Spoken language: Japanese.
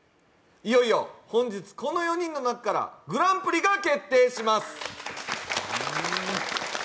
いよいよ本日、この４人の中からグランプリが決定します。